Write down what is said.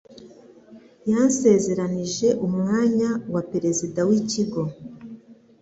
Yansezeranije umwanya wa perezida w'ikigo.